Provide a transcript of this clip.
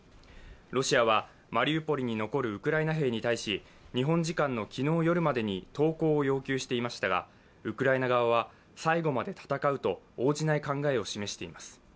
ロシアはマリウポリに残るウクライナ兵に対し日本時間の昨日夜までに投降を要求していましたが、ウクライナ側は、最後まで戦うと応じない考えを示しています。